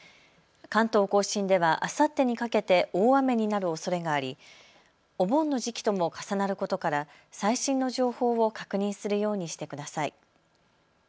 関東甲信では、あさってにかけて大雨になるおそれがありお盆の時期とも重なることから最新の情報を確認するようにしてください。